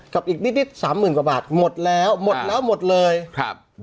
กับอีกนิดนิดสามหมื่นกว่าบาทหมดแล้วหมดแล้วหมดเลยครับ